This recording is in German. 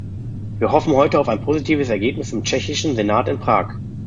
Wir hoffen heute auf ein positives Ergebnis im tschechischen Senat in Prag.